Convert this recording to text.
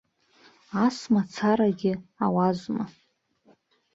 Ас мацарагьы ауазма!